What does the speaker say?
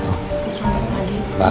terima kasih mbak